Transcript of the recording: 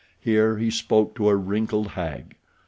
Here he spoke to a wrinkled hag.